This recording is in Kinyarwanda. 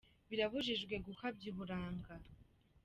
birabujijwe gukabya uburanga.